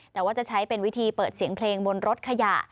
แต่ว่าจะใช้เป็นวิธีเปิดเสียงเพลงบนรถขยะ